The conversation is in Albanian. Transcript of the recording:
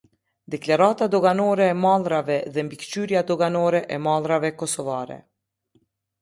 Deklarata doganore e mallrave dhe mbikëqyrja doganore e mallrave Kosovare.